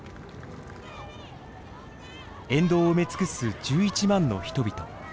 沿道を埋め尽くす１１万の人々。